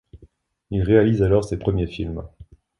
Il réalise alors ses premiers films.